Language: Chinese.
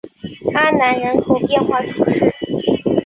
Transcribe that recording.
阿南人口变化图示